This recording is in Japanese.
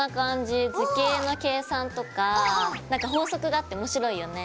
図形の計算とか何か法則があって面白いよね。